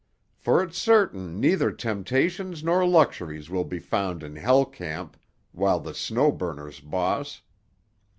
For it's certain neither temptations nor luxuries will be found in Hell Camp while the Snow Burner's boss."